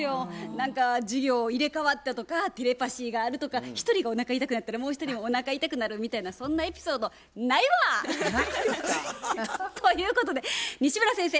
何か授業を入れ代わったとかテレパシーがあるとか一人がおなか痛くなったらもう一人もおなか痛くなるみたいなそんなエピソードないわ！ということで西村先生